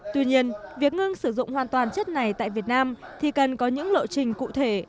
tuy nhiên việc ngưng sử dụng hoàn toàn chất này tại việt nam thì cần có những lộ trình cụ thể